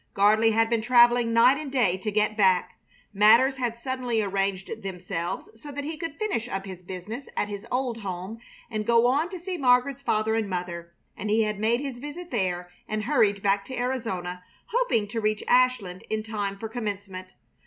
Gardley had been traveling night and day to get back. Matters had suddenly arranged themselves so that he could finish up his business at his old home and go on to see Margaret's father and mother, and he had made his visit there and hurried back to Arizona, hoping to reach Ashland in time for Commencement.